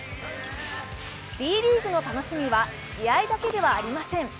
Ｂリーグの楽しみは試合だけではありません。